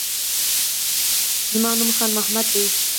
زما نوم خان محمد دی